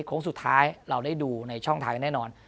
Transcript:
โค้งสุดท้ายเราได้ดูในช่องทางกันแน่นอน